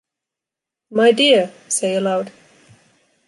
My dear!- say aloud